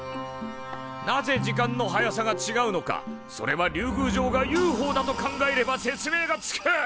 なぜ時間の速さがちがうのかそれは竜宮城がＵＦＯだと考えれば説明がつく！